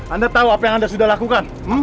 anda tahu apa yang anda sudah lakukan